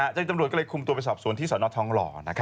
เจ้าจำรวจก็เลยคุมตัวไปสอบสวนที่สอนอททองหล่อ